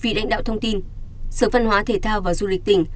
vì đánh đạo thông tin sở văn hóa thể thao và du lịch tỉnh